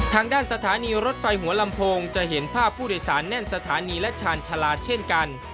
ทางด้านสถานีรถไฟหัวลำโพงจะเห็นภาพผู้โดยสารแน่นสถานีและชาญชาลาเช่นกัน